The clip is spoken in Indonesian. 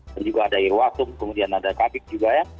dan juga ada irwasm kemudian ada kabik juga ya